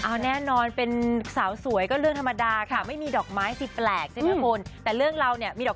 เอาน่าเป็นสาวสวยก็เรื่องธรรมดา